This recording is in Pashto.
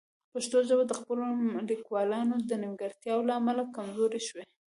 پښتو ژبه د خپلو لیکوالانو د نیمګړتیاوو له امله کمزورې شوې.